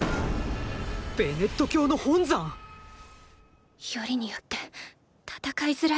ベネット教の本山⁉よりによって戦いづらい所を。